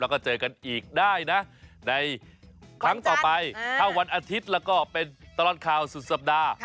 แล้วก็เจอกันอีกได้นะในครั้งต่อไปถ้าวันอาทิตย์แล้วก็เป็นตลอดข่าวสุดสัปดาห์